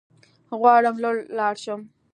غواړم لوړ لاړ شم